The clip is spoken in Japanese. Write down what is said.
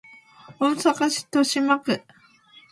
大阪市都島区